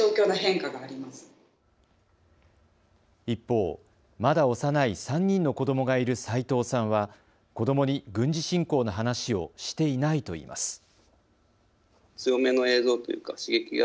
一方、まだ幼い３人の子どもがいる齋藤さんは子どもに軍事侵攻の話をしていないといいます。